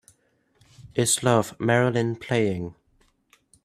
Is Love, Marilyn playing